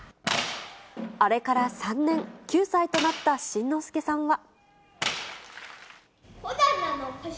あれから３年、９歳となった新之助さんは。